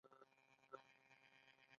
ایا زه باید قاضي شم؟